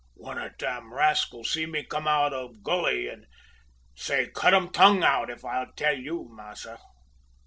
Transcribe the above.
One ob de tam raskel see me come out of gully, an' say cut um tongue out if I'se tell youse, massa!'